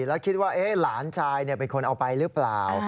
แล้วคิดว่าหลานชายเป็นคนเอาไปหรือเปล่า